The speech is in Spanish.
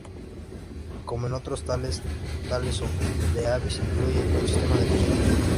Como en otros "Tales", "Tales of the Abyss" incluye un sistema de cocina.